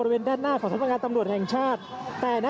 คุณภูริพัฒน์ครับ